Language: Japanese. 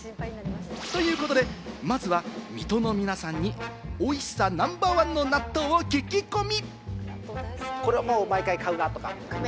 ということで、まずは水戸の皆さんにおいしさナンバー１の納豆を聞き込み！